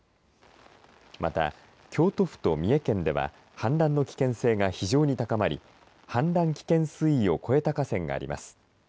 また、京都府と三重県では氾濫の危険性が非常に高まり氾濫危険水位を超えた河川があります。